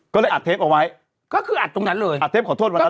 ก็เลยอัดเทปเอาไว้ก็คืออัดตรงนั้นเลยอัดเทปขอโทษวันนั้น